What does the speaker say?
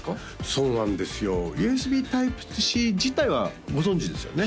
そうなんですよＵＳＢｔｙｐｅ−Ｃ自体はご存じですよね？